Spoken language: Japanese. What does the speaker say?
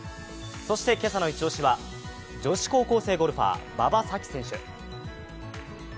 そして今朝のイチ押しは女子高校生ゴルファー、馬場咲希選手。